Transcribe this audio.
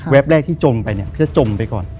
แว็บแรกที่จมไปเนี่ยพี่จะจมไปก่อน